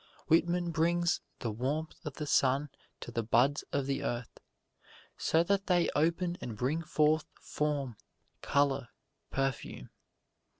Whitman brings the warmth of the sun to the buds of the heart, so that they open and bring forth form, color, perfume.